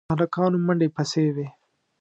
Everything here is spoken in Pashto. د هلکانو منډې پسې وې.